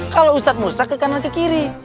kalau ustadz musta ke kanan ke kiri